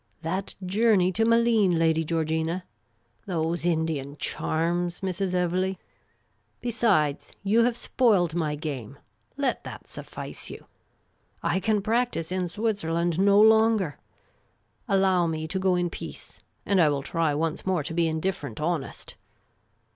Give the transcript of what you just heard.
That journey to Malines, Lady Georgina ! Those Indian charms, Mrs. Evelegh ! Besides you have spoiled my game. Let that suffice you ! I can practise in Switzerland no longer. Allow me to go in peace, and I will try once more to be indifferent honest